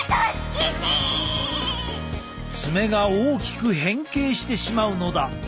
爪が大きく変形してしまうのだ。